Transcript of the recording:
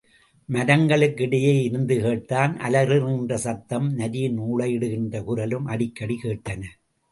மரங்களுக்கிடையே இருந்து கோட்டான் அலறுகின்ற சத்தமும், நரிகள் ஊளையிடுகின்ற குரலும் அடிக்கடி கேட்டன.